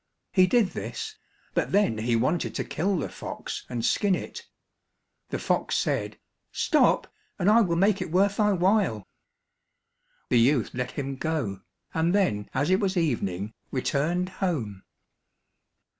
He did this; but then he wanted to kill the fox and skin it, the fox said, "Stop, and I will make it worth thy while." The youth let him go, and then as it was evening, returned home.